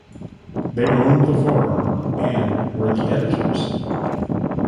They owned The Forum and were the editors.